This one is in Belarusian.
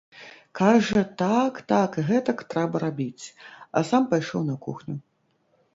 Кажа, так, так і гэтак трэба рабіць, а сам пайшоў на кухню.